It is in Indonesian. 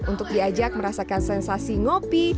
untuk diajak merasakan sensasi ngopi